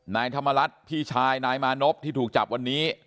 นายธรรมรัฐพี่ชายนายมานพที่ถูกจับวันนี้